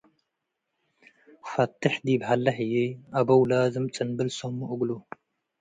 ፈቴሕ ዲብ ሀለ ህዬ አበው ላዝም ጽንብል ሰሙ እግሉ ።